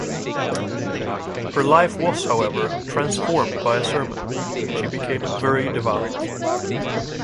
Her life was, however, transformed by a sermon and she became very devout.